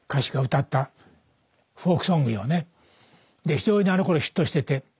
非常にあのころヒットしてて。